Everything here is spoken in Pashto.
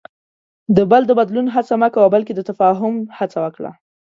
د بل د بدلون هڅه مه کوه، بلکې د تفاهم هڅه وکړه.